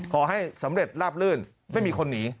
ขอให้สำเร็จลาบลื่นไม่มีคนหนี